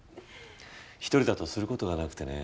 一人だとすることがなくてね。